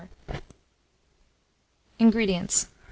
INGREDIENTS.